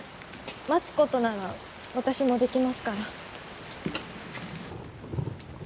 待つことなら私もできますから。